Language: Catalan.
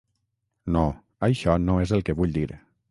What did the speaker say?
No, això no és el que vull dir.